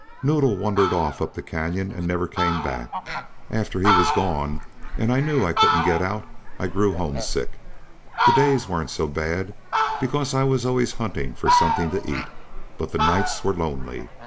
Noddle wandered off up the canyon and never came back. After he was gone and I knew I couldn't get out I grew homesick. The days weren't so bad because I was always hunting for something to eat, but the nights were lonely.